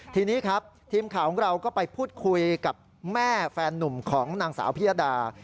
ทีนี้ครับทีมข่าวของเราก็ไปพูดคุยกับแม่แฟนนุ่มของนางสาวพิยดา